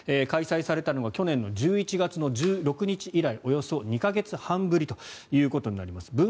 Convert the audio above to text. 開催されたのは去年１１月１６日以来およそ２か月半ぶりということになります。